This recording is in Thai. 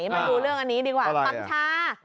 มาดูเรื่องอันนี้ดีกว่าปังชา